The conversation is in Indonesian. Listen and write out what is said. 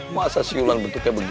masa siulan bentuknya begitu